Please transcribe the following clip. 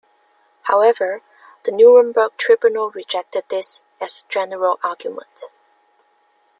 However, the Nuremberg Tribunal rejected this as a general argument.